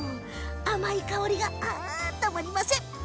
甘い香りがたまりません。